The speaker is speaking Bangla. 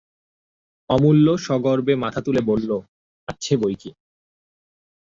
অমূল্য সগর্বে মাথা তুলে বললে, আছে বৈকি।